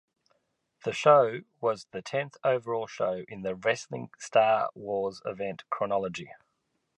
The show was the tenth overall show in the "Wrestling Star Wars" event chronology.